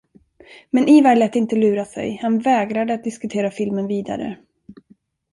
Men Ivar lät inte lura sig, han vägrade att diskutera filmen vidare.